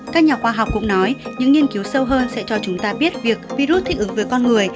các nhà khoa học cũng nói những nghiên cứu sâu hơn sẽ cho chúng ta biết việc virus thích ứng với con người